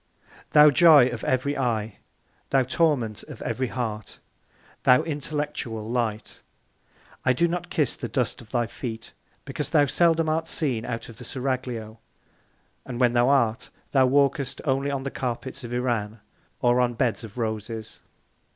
Thou Joy of ev'ry Eye! Thou Torment of every Heart! Thou Intellectual Light! I do not kiss the Dust of thy Feet; because thou seldom art seen out of the Seraglio, and when thou art, thou walkest only on the Carpets of Iran, or on Beds of Roses.